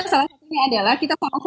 salah satunya adalah kita